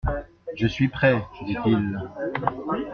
Je suis prêt, dit-il.